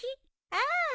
ああ。